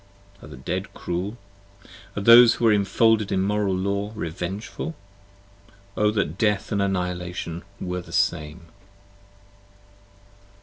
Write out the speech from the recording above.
Are the Dead cruel? are those who are infolded in moral Law Revengeful? O that Death & Annihilation were the same!